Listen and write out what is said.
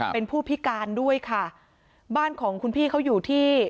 เป็นผู้พิการด้วยค่ะบ้านของคุณพี่เขาอยู่ที่